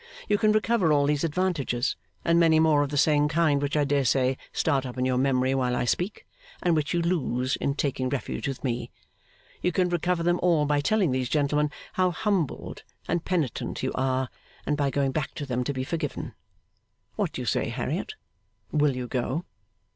You can recover all these advantages and many more of the same kind which I dare say start up in your memory while I speak, and which you lose in taking refuge with me you can recover them all by telling these gentlemen how humbled and penitent you are, and by going back to them to be forgiven. What do you say, Harriet? Will you go?